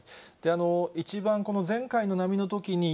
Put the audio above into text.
一番この前回の波のときに、